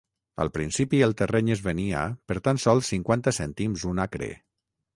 Al principi el terreny es venia per tant sols cinquanta cèntims un acre.